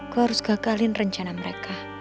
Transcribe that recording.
kau harus gagalin rencana mereka